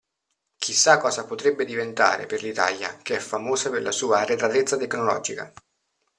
Chissà cosa potrebbe diventare per l'Italia che è famosa per la sua arretratezza tecnologica.